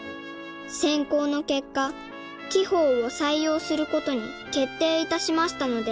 「選考の結果」「貴方を採用することに決定いたしましたので」